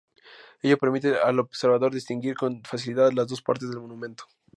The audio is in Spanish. Ello permite al observador distinguir con facilidad las dos partes del monumento.